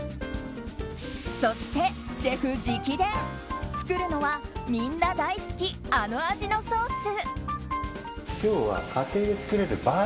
そしてシェフ直伝作るのはみんな大好きあの味のソース。